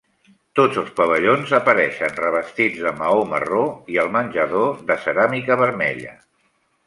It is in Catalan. Tots els pavellons apareixen revestits de maó marró, i el menjador de ceràmica vermella.